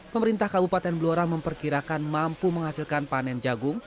pemerintah kabupaten blora memperkirakan mampu menghasilkan panen jagung